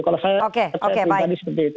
kalau saya saya pikir tadi seperti itu